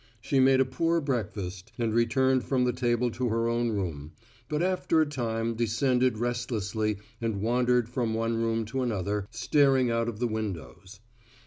She made a poor breakfast, and returned from the table to her own room, but after a time descended restlessly and wandered from one room to another, staring out of the windows.